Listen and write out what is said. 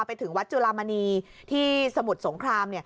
ไปถึงวัดจุลามณีที่สมุทรสงคราม